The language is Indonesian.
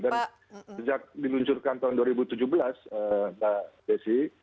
dan sejak diluncurkan tahun dua ribu tujuh belas pak desi